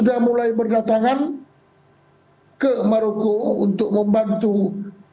namun di lapangan pencarian terus